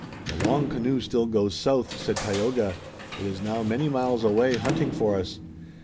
"The long canoe still goes south," said Tayoga. "It is now many miles away, hunting for us.